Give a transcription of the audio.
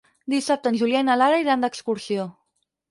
Dissabte en Julià i na Lara iran d'excursió.